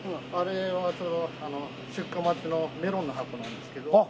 あれは出荷待ちのメロンの箱なんですけど。